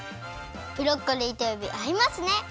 ブロッコリーとえびあいますね。